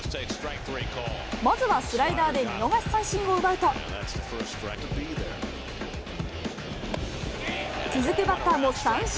まずはスライダーで見逃し三振を奪うと、続くバッターも三振。